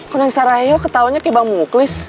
teng saraheyo ketawanya kayak bang muklis